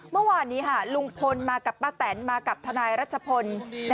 เมื่อวานนี้ลุงพลมากับป้าแตนมากับทนายรัชพล